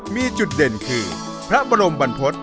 มีจุดเด่นคือพระบรมบรรพฤษ